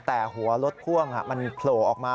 แต่หัวรถพ่วงมันโผล่ออกมา